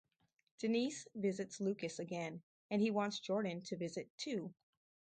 Denise visits Lucas again and he wants Jordan to visit too.